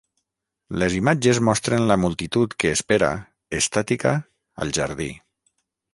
Les imatges mostren la multitud que espera, estàtica, al jardí.